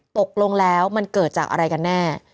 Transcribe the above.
ตกลงแล้วมันเกิดจากอะไรกันแน่